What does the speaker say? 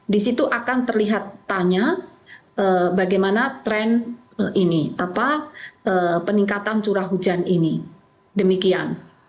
di situ akan terlihat tanya bagaimana tren ini apa peningkatan curah hujan ini demikian